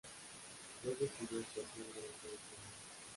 Luego estudió actuación durante ocho años.